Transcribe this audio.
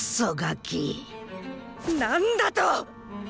何だとっ！